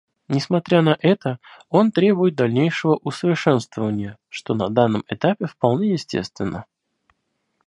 Несмотря на это, он требует дальнейшего усовершенствования, что на данном этапе вполне естественно.